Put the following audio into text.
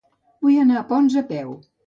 Vull anar a Ponts a peu.